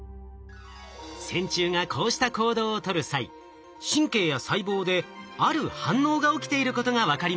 線虫がこうした行動を取る際神経や細胞である反応が起きていることが分かりました。